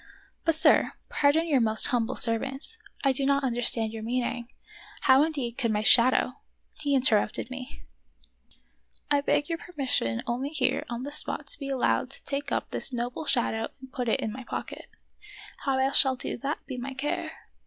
" But, sir, pardon your most humble servant ; I do not understand your meaning. How indeed could my shadow "— He interrupted me :—" I beg your permission only here on the spot to be allowed to take up this noble shadow and put it in my pocket ; how I shall do that be my care.